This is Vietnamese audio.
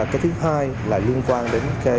cái thứ hai là liên quan đến